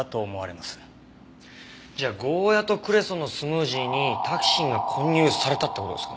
じゃあゴーヤとクレソンのスムージーにタキシンが混入されたって事ですかね。